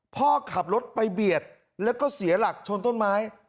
พ่อขับรถไปเบียดแล้วก็เสียหลักชนต้นไม้